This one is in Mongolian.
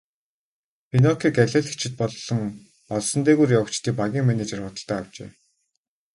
Пиноккиог алиалагчид болон олсон дээгүүр явагчдын багийн менежер худалдан авчээ.